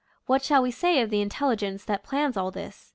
What shall we say of the Intelligence that plans all this?